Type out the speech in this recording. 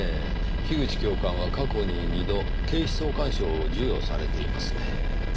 樋口教官は過去に２度警視総監賞を授与されていますねぇ。